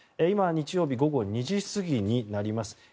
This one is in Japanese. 今日曜日午後２時過ぎになります。